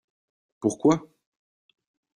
Pourquoi ?